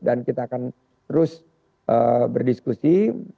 dan kita akan terus berdiskusi